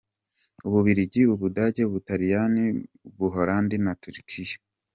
U Bubiligi, u Budage, U Butaliyani, U Buholandi na Turikiya.